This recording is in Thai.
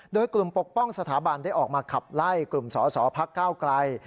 โดยกลุ่มปกป้องสถาบันได้ออกมาขับไล่กลุ่มสอสอพักก้าวไกล